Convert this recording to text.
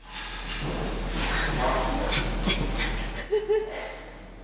来た来た来た！